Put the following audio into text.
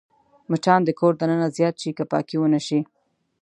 مچان د کور دننه زیات شي که پاکي ونه شي